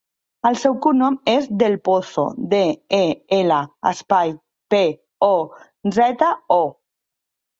El seu cognom és Del Pozo: de, e, ela, espai, pe, o, zeta, o.